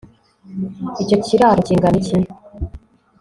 icyo kiraro kingana iki